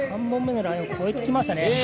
３本目のライン越えてきましたね。